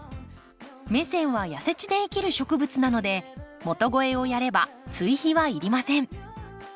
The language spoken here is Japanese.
メセンは痩せ地で生きる植物なので元肥をやれば追肥は要りません。